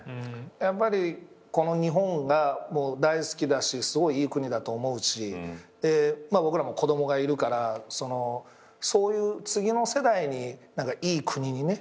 やっぱりこの日本が大好きだしすごいいい国だと思うし僕らも子供がいるからそういう次の世代にいい国にね。